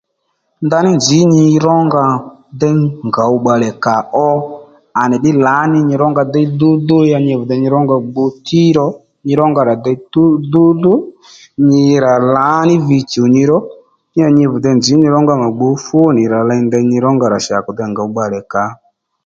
Ndaní nzǐ nyi rónga déy ngǒw bbalè kà ó à nì ddí lǎ ní nyi rónga déy dúdú ya nyi vì de nyi ró nga gbǔ tí ro nyi ro nga rà dè dúdú nyi rà lǎ ní vi chùw nyi ró ya nyi vì de nzǐ nyi ró nga mà gbu fú nì rà ley ndèy nyi ró nga ra chà kù dey ngòw bbalè kà ò